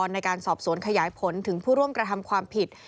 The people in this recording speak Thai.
ในการสอบสวนขยายผลถึงผู้ร่วมกระทำความผิด